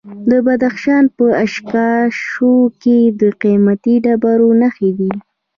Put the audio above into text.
د بدخشان په اشکاشم کې د قیمتي ډبرو نښې دي.